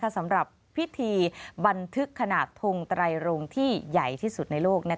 สำหรับพิธีบันทึกขนาดทงไตรโรงที่ใหญ่ที่สุดในโลก